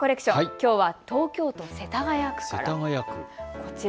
きょうは東京都世田谷区から。